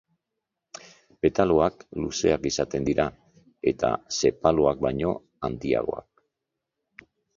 Petaloak luzeak izaten dira, eta sepaloak baino handiagoak.